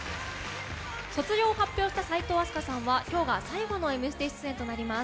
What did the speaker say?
卒業発表をした齋藤飛鳥さんは今日が最後の「Ｍステ」出演となります。